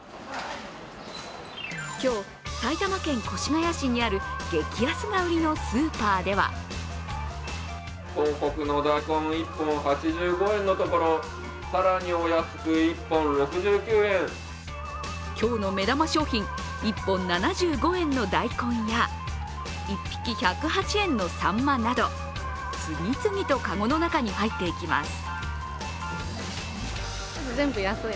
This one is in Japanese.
今日、埼玉県越谷市にある激安が売りのスーパーでは今日の目玉商品、１本７５円の大根や１匹１０８円のさんまなど、次々とかごの中に入っていきます。